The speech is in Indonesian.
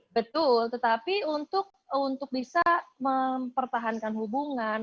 betul tetapi untuk bisa mempertahankan hubungan